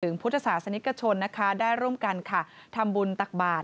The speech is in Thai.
ถึงพุทธศาสนิกชนได้ร่วมกันทำบุญตักบาท